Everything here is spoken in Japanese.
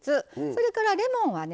それからレモンはね